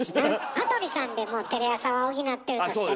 羽鳥さんでもうテレ朝は補ってるとしてね。